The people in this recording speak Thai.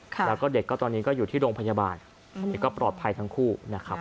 แล้วก็เด็กก็ตอนนี้ก็อยู่ที่โรงพยาบาลอันนี้ก็ปลอดภัยทั้งคู่นะครับ